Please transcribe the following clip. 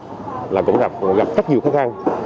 thì cũng gặp rất nhiều khó khăn